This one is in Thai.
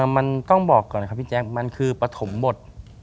มันต้องบอกก่อนนะครับพี่แจ๊คมันคือปฐมบท